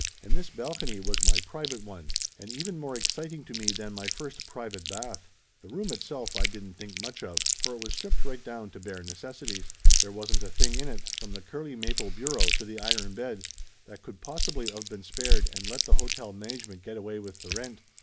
And this balcony was my private one, and even more ex citing to me than my first private bath. The room itself I didn't think much of, for it was stripped right down to bare necessities. There wasn't a thing in it, from the curly maple bureau to the iron bed, that could possibly of been spared and let the hotel management get away with the rent.